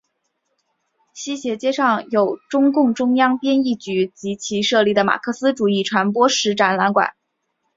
西斜街上有中共中央编译局及其设立的马克思主义传播史展览馆。